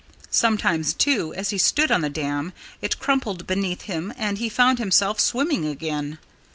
Sometimes, too, as he stood on the dam it crumbled beneath him and he found himself swimming again.